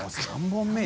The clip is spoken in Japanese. ３本目。